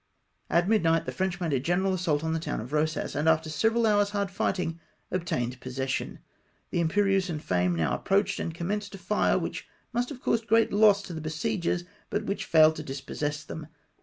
At midnight the French made a general assault on the town of Eosas, and after several hours' hard fight ing obtained possession. The Imperieuse and Fame now approached, and commenced a fire which must have caused great loss to the besiegers, but which failed to dispossess them.